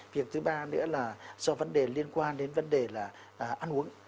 việc thứ ba nữa là do vấn đề liên quan đến vấn đề là ăn uống